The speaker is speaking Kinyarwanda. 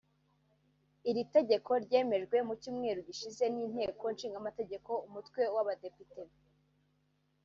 Iri tegeko ryemejwe mu cyumweru gishize n’inteko ishingamategeko umutwe w’abadepite